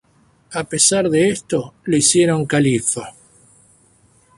A pesar de esto, le hicieron califa.